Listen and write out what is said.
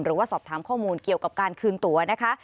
หรือว่าสอบถามข้อมูลเกี่ยวกับการคืนตัวนะคะ